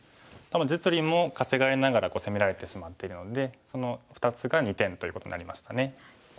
実利も稼がれながら攻められてしまってるのでその２つが２点ということになりましたね。